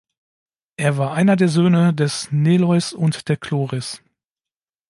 Er war einer der Söhne des Neleus und der Chloris.